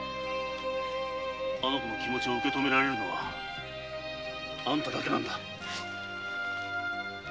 あの子の気持ちを受け止められるのはあんただけなんだ。